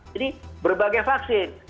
jadi berbagai vaksin